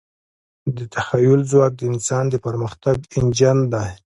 د تخیل ځواک د انسان د پرمختګ انجن دی.